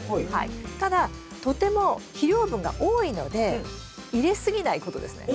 ただとても肥料分が多いので入れすぎないことですね。